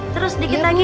terus sedikit lagi